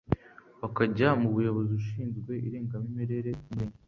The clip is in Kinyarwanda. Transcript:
bakajya ku muyobozi ushinzwe irangamimerere ku Murenge